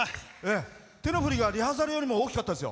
手の振りがリハーサルよりも大きかったですよ。